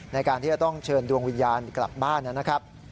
ในการที่จะต้องเชิญดวงวิญญาณกลับบ้านนะครับ